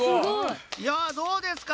いやどうですか？